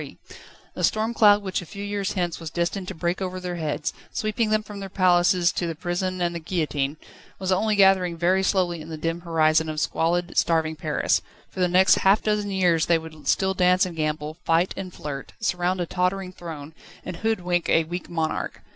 The storm cloud which a few years hence was destined to break over their heads, sweeping them from their palaces to the prison and the guillotine, was only gathering very slowly in the dim horizon of squalid, starving Paris: for the next half dozen years they would still dance and gamble, fight and flirt, surround a tottering throne, and hoodwink a weak monarch.